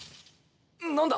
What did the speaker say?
何だ？